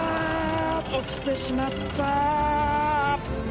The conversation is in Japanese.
落ちてしまった。